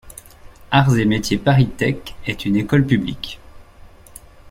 Arts et Métiers ParisTech est une école publique.